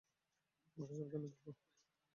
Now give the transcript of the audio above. তাই সাবধানে থেকো!